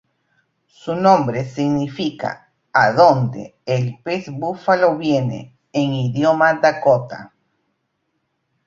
Su nombre significa "adonde el pez búfalo viene" en idioma dakota.